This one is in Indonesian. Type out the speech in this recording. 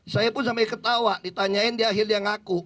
saya pun sampai ketawa ditanyain di akhirnya ngaku